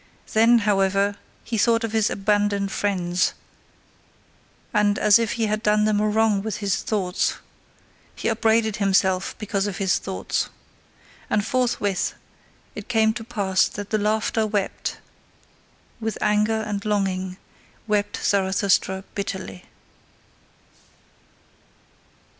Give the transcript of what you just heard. Then, however, he thought of his abandoned friends and as if he had done them a wrong with his thoughts, he upbraided himself because of his thoughts. And forthwith it came to pass that the laugher wept with anger and longing wept Zarathustra bitterly.